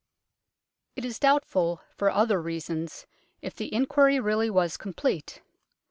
It is doubtful, for other reasons, if the inquiry really was complete.